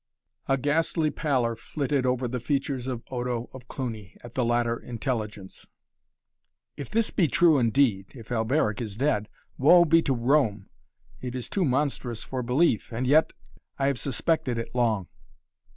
A ghastly pallor flitted over the features of Odo of Cluny at the latter intelligence. "If this be true indeed if Alberic is dead woe be to Rome! It is too monstrous for belief, and yet I have suspected it long."